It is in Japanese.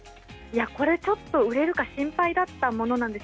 これちょっと売れるか心配だったんです。